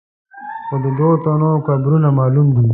خو د دوو تنو قبرونه معلوم دي.